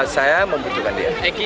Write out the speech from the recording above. saya membutuhkan dia